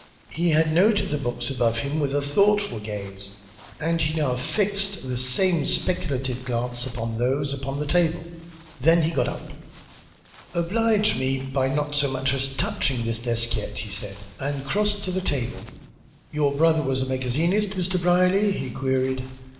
He had noted the books above him with a thoughtful gaze, and he now fixed that same speculative glance upon those upon the table. Then he got up. "Oblige me by not so much as touching this desk yet," he said, and crossed to the table. "Your brother was a magazinist, Mr. Brierly?" he queried.